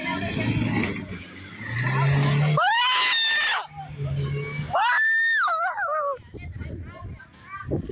ให้พี่เอามาดำมาทำอะไรกับเค้าเนี่ย